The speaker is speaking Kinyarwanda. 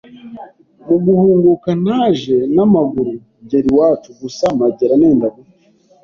Mu guhunguka naje n’amaguru ngera iwacu, gusa mpagera nenda gupfa